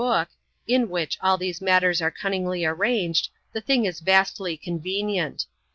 book, in which all these matters are cunningly arranged, the thing is vastly convenient.